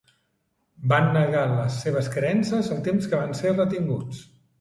Van negar les seves creences el temps que van ser retinguts?